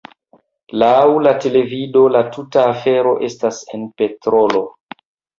Laŭ la televido la tuta afero estas en petrolo.